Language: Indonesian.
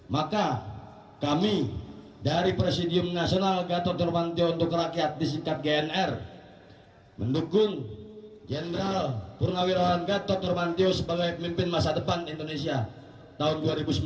maka kami dari presidium nasional gatot turmantio untuk rakyat di sikap gnr mendukung general purnawirawan gatot turmantio sebagai pemimpin masa depan indonesia tahun dua ribu sembilan belas dua ribu dua puluh empat